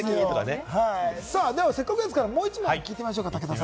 せっかくですから、もう１問聞いてみましょうか。